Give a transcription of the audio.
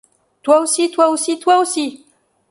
Toi aussi ! toi aussi ! toi aussi !